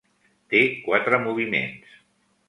Té quatre moviments.